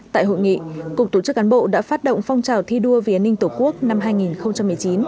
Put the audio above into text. tại hội nghị cục tổ chức cán bộ đã phát động phong trào thi đua vì an ninh tổ quốc năm hai nghìn một mươi chín